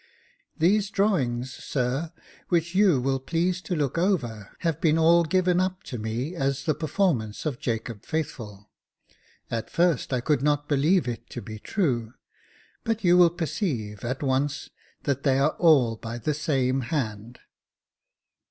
*' These drawings, sir, which you will please to look over, have been all given up to me as the performance of Jacob Faithful. At first, I could not believe it to be true ; but you will perceive, at once, that they are all by the same hand."